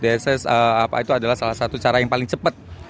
dss apa itu adalah salah satu cara yang paling cepat